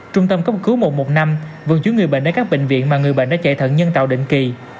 trung tâm có cứu mộ một năm vườn chú người bệnh ở các bệnh viện mà người bệnh đã chạy thận nhân tạo định kỳ